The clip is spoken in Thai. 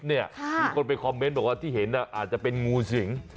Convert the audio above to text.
มีคนไปคอมเมนต์บอกว่าที่เห็นอาจจะเป็นงูสิง